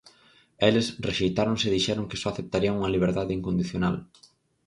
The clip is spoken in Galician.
Eles rexeitáronse e dixeron que só aceptarían unha liberdade incondicional.